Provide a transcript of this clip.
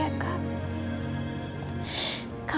aku akan melindungi kalian berdua